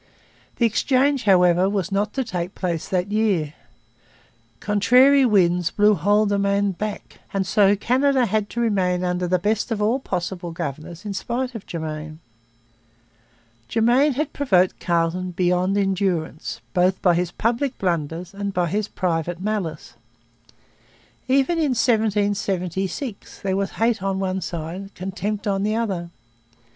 The exchange, however, was not to take place that year. Contrary winds blew Haldimand back; and so Canada had to remain under the best of all possible governors in spite of Germain. Germain had provoked Carleton past endurance both by his public blunders and by his private malice. Even in 1776 there was hate on one side, contempt on the other.